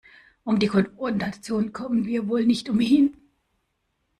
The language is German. Um die Konfrontation kommen wir wohl nicht umhin.